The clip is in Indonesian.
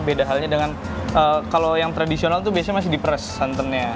beda halnya dengan kalau yang tradisional itu biasanya masih diperes santannya